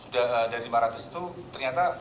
dari lima ratus itu ternyata